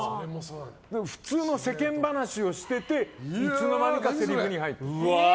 普通の世間話をしてていつの間にかせりふに入る。